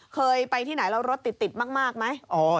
เคยไปที่ไหนแล้วรถติดติดมากมากไหมอ้อ